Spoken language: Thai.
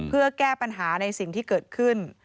เพื่อแก้ปัญหาในสิ่งที่เกิดขึ้น